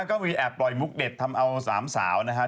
ก็มีแอบปล่อยมุกเด็ดทำเอาสามสาวนะครับ